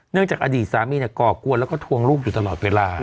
จากอดีตสามีก่อกวนแล้วก็ทวงลูกอยู่ตลอดเวลา